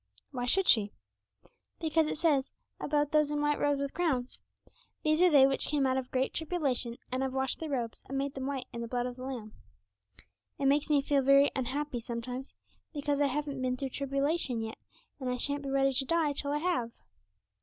'Why should she?' 'Because it says, about those in white robes with crowns, "These are they which came out of great tribulation, and have washed their robes, and made them white in the blood of the Lamb." It makes me feel very unhappy sometimes, because I haven't been through tribulation yet, and I shan't be ready to die till I have.'